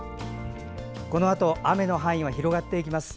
このあと雨の範囲が広がっていきます。